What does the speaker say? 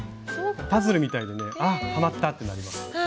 パズルみたいでねあっはまったってなります。